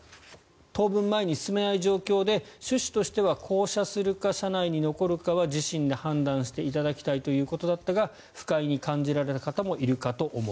当分前に進めない状況で趣旨としては降車するか車内に残るかは自身で判断していただきたいということだったが不快に感じられた方もいるかと思う。